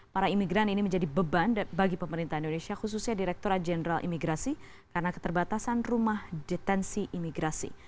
para imigran ini menjadi beban bagi pemerintah indonesia khususnya direkturat jenderal imigrasi karena keterbatasan rumah detensi imigrasi